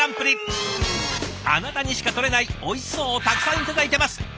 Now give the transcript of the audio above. あなたにしか撮れないおいしそうをたくさん頂いてます！